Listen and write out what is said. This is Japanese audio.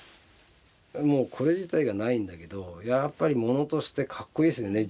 もうこれ自体がないんだけどやっぱり物としてかっこいいですよね。